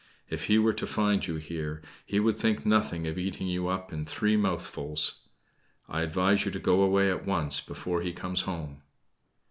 If he were to find you here, he would think nothing of eating you up in three mouthfuls. I advise you to go away at once, before he comes home."